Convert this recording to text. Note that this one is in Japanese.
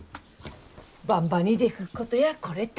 ばんばにでくっことやこれたい。